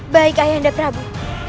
baik ayah anda prabu